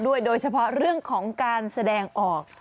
โดยเฉพาะเรื่องของการแสดงออก